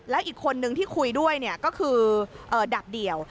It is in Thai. แล้วอีกคนนึงที่คุยด้วยก็คือดาบเดี่ยว